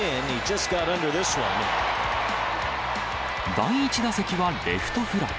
第１打席はレフトフライ。